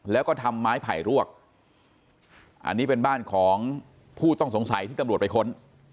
แล้วก็ทำไม้ไผ่รวกอันนี้เป็นบ้านของผู้ต้องสงสัยที่ตำรวจไปค้น